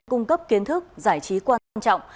cung cấp kiến thức giải trí quan trọng